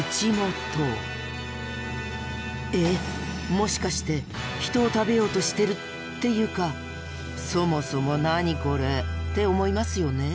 もしかして人を食べようとしてる？っていうか「そもそも何これ！」って思いますよね？